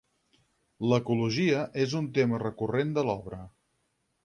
L'ecologia és un tema recurrent de l'obra.